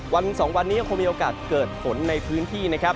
วันสองวันนี้ยังคงมีโอกาสเกิดฝนในพื้นที่นะครับ